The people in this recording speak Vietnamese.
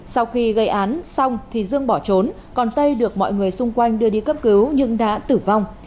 sau khi gây án xong thì dương bỏ trốn còn tây được mọi người xung quanh đưa đi cấp cứu nhưng đã tử vong